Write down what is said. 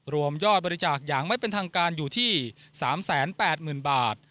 รวมยอดบริจาคอย่างไม่เป็นทางการอยู่ที่๓๘๐๐๐บาท